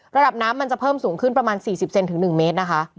ระดับน้ำมันจะเพิ่มสูงขึ้นประมาณ๔๐เซนถึง๑เมตรนะคะ